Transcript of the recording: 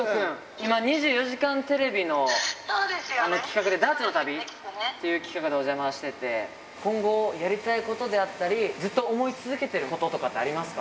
今２４時間テレビの企画でダーツの旅っていう企画でお邪魔してて、今後、やりたいことであったり、ずっと想い続けてることとかってありますか？